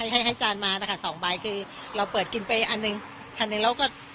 ให้ให้จานมานะคะสองใบคือเราเปิดกินไปอันหนึ่งอันหนึ่งเราก็